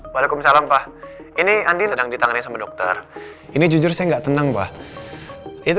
waalaikumsalam pak ini andi sedang ditangani sama dokter ini jujur saya enggak tenang pak itu